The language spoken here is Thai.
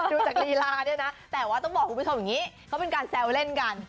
ดูจากลีลาเนี่ยนะแต่ว่าต้องบอกว่าเขาเป็นการแซวเล่นกัน